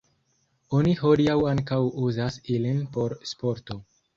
Oni hodiaŭ ankaŭ uzas ilin por sporto.